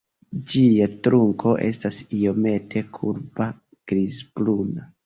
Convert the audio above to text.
Ĝia trunko estas iomete kurba, grizbruna.